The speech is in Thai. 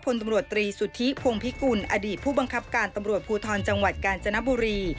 พลตำรวจตรีสุทธิพงภิกุลอดีตผู้บังคับการตำรวจภูทรจังหวัดกาญจนบุรี